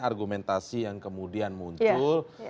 argumentasi yang kemudian muncul